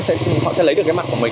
người ta chứng kiến cho bà ấy